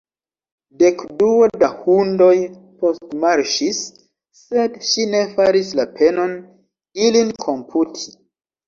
Dekduo da hundoj postmarŝis; sed ŝi ne faris la penon, ilin komputi.